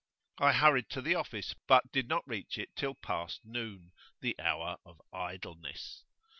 I hurried to the office, but did not reach it till past noon the hour of idleness.